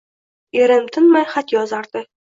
Erim tinmay xat yozardi